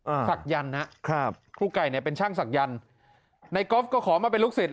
ศักยันต์นะครับครูไก่เนี่ยเป็นช่างศักยันต์ในก๊อฟก็ขอมาเป็นลูกศิษย